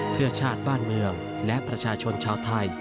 เพื่อชาติบ้านเมืองและประชาชนชาวไทย